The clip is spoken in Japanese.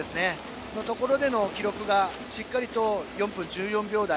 そこでの記録がしっかりと、４分１４秒台。